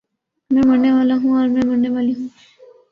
میں مرنے والا ہوں اور میں مرنے والی ہوں